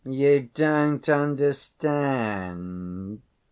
"You don't understand?"